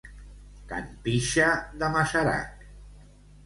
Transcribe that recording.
Can pixa de Masarac.